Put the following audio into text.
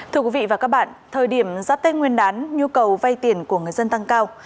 thưa quý vị và các bạn thời điểm giáp tên nguyên đán nhu cầu vay tiền của người dân tăng cao